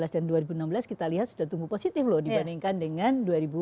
dan dua ribu enam belas kita lihat sudah tumbuh positif loh dibandingkan dengan dua ribu lima belas